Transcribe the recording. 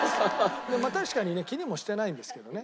まあ確かにね気にもしてないんですけどね。